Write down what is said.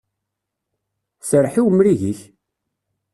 Serreḥ i umrig-ik!